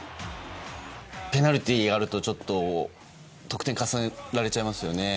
ペナルティーがあると得点を重ねられちゃいますよね。